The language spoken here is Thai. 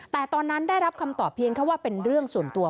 แต่ตอนนั้นได้รับคำตอบเพียงแค่ว่าเป็นเรื่องส่วนตัว